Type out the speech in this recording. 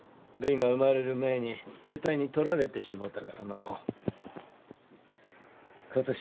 るいが生まれる前に兵隊に取られてしもうたからのう。